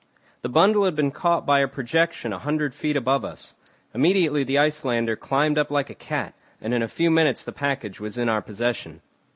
The bundle had been caught by a projection a hundred feet above us. Immediately the Icelander climbed up like a cat, and in a few minutes the package was in our possession.